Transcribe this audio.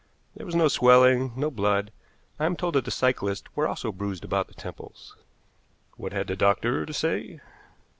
There was no swelling, no blood. I am told that the cyclists were also bruised about the temples." "What had the doctor to say?"